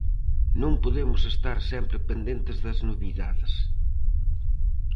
Non podemos estar sempre pendentes das novidades.